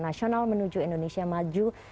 nasional menuju indonesia maju